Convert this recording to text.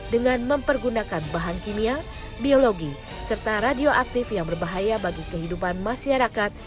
dengan mempergunakan bahan kimia biologi serta radioaktif yang berbahaya bagi kehidupan masyarakat